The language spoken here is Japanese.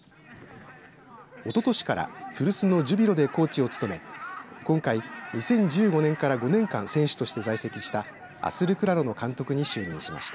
おととしから古巣のジュビロでコーチを務め今回、２０１５年から５年間選手として在籍したアスルクラロの監督に就任しました。